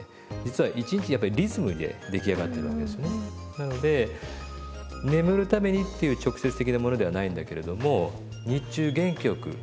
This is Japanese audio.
なので眠るためにっていう直接的なものではないんだけれども日中元気よく。